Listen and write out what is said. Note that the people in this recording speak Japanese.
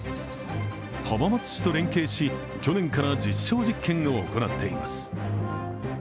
浜松市と連携し、去年から実証実験を行っています。